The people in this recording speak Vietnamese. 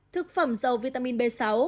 thực phẩm dầu vitamin b sáu